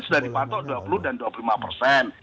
sudah dipatok dua puluh dan dua puluh lima persen